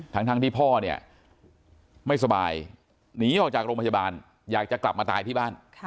ทั้งที่พ่อเนี่ยไม่สบายหนีออกจากโรงพยาบาลอยากจะกลับมาตายที่บ้าน